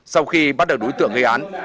sau khi bắt đầu đối tượng gây án